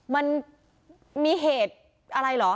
มันมีเหตุอะไรเหรอ